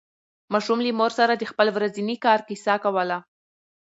ماشوم له مور سره د خپل ورځني کار کیسه کوله